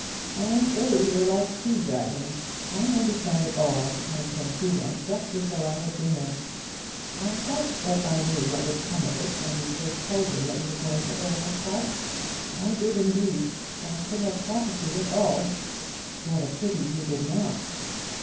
"And they were like she dragons. I understand it all, and can see them just as though I had been there. I felt that I knew what would come of it when you first told me that you were going to Aylmer Park. I did, indeed. I could have prophesied it all." "What a pity you did not."